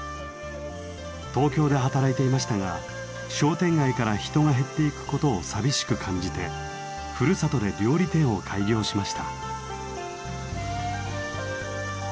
東京で働いていましたが商店街から人が減っていくことを寂しく感じてふるさとで料理店を開業しました。